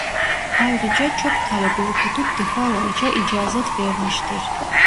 Ayrıca çok talebe okutup defalarca icâzet vermiştir.